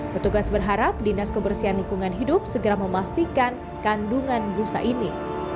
petugas berharap dinas kebersihan lingkungan hidup segera memastikan kandungan busa ini